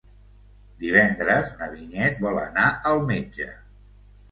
Divendres na Vinyet vol anar al metge.